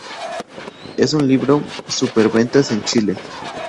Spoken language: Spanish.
Es un libro superventas en Chile.